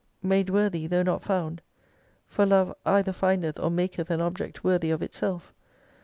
Made worthy, though not found, for Love either findeth or maketh an object worthy of itself.